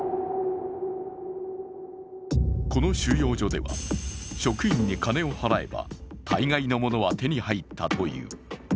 この収容所では職員に金を払えば大概のものは手に入ったという。